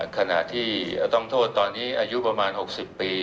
ขณะที่ต้องโทษตอนนี้อายุประมาณ๖๐ปี